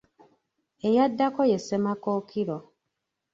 Eyaddako ye Ssemakookiro.